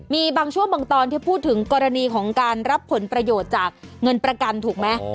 มีบางช่วงบางตอนที่พูดถึงกรณีของการรับผลประโยชน์จากเงินประกันถูกไหม